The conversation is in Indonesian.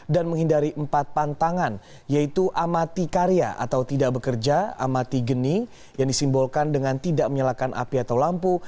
dan menghindari empat pantangan yaitu amati karya atau tidak bekerja amati geni yang disimbolkan dengan tidak menyalakan api atau lampu